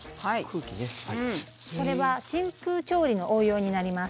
これは真空調理の応用になります。